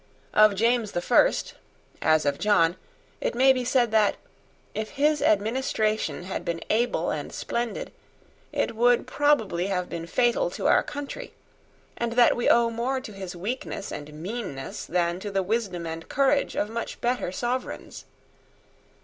Of James the First, as of John, it may be said that, if his administration had been able and splendid, it would probably have been fatal to our country, and that we owe more to his weakness and meanness than to the wisdom and courage of much better sovereigns.